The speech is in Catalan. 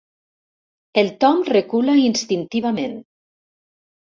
El Tom recula instintivament.